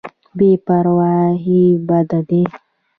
بې پرواهي بد دی.